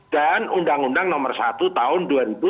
dan undang undang nomor satu tahun dua ribu empat puluh enam